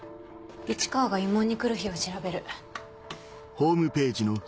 市川が慰問に来る日を調べる。